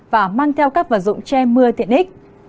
và mang theo các vật dụng che mưa tiện ích